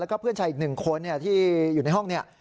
แล้วก็เพื่อนชายอีกหนึ่งคนที่อยู่ในห้องนี้